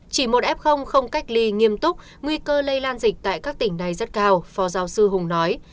chỉ một f không cách ly nghiêm túc nguy cơ lây lan dịch tại các tỉnh này rất cao phó giáo sư hùng nói